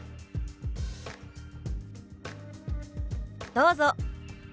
どうぞ。